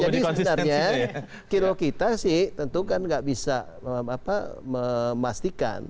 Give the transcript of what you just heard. ya boleh jadi sebenarnya kilo kita sih tentu kan nggak bisa memastikan